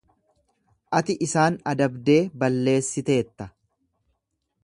Ati isaan adabdee balleessiteetta.